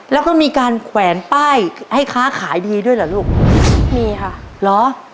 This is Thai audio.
แล้วก็มีการแขวนป้ายให้ค้าขายดีด้วยเหรอลูกมีค่ะเหรอ